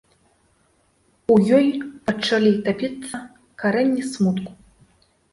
У ёй пачалі тапіцца карэнні смутку.